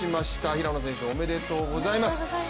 平野選手、おめでとうございます。